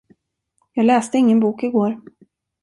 Jag läste ingen bok igår.